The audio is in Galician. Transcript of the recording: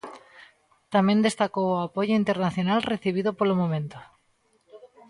Tamén destacou o apoio internacional recibido polo momento.